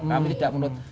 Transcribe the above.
kami tidak menurut